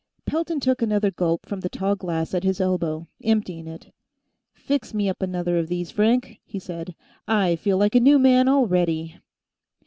Pelton took another gulp from the tall glass at his elbow, emptying it. "Fix me up another of these, Frank," he said. "I feel like a new man, already."